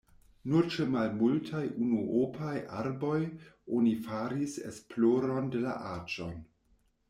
Nur ĉe malmultaj unuopaj arboj oni faris esploron de la aĝon.